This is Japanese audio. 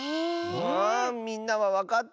あみんなはわかった？